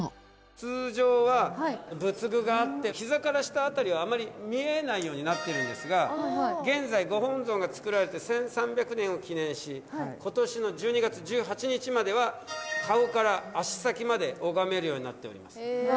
通常は仏具があって膝から下辺りはあまり見えないようになってるんですが現在ご本尊が造られて１，３００年を記念しことしの１２月１８日までは顔から足先まで拝めるようになっております。